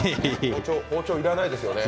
包丁いらないですよね？